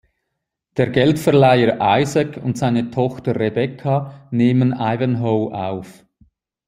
Der Geldverleiher Isaac und seine Tochter Rebekka nehmen Ivanhoe auf.